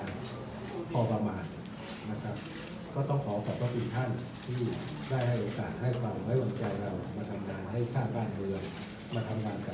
เราก็จะเราอยากจะขอขอบทะคุณท่านอาจารย์อุตตามสมัคร